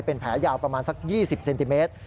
เป็นแผลยาวประมาณสัก๒๐เซนติเมตร